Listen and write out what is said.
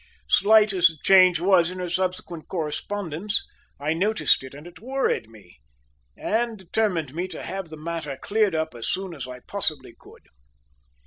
Slight as the change was in her subsequent correspondence, I noticed it and it worried me, and determined me to have the matter cleared up as soon as I possibly could.